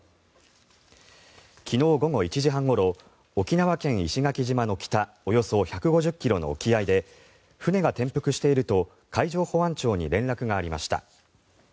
昨日午後１時半ごろ沖縄県・石垣島の北およそ１５０ｋｍの沖合で船が転覆していると海上保安庁に連絡がありました。